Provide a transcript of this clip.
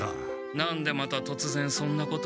何でまたとつぜんそんなことを？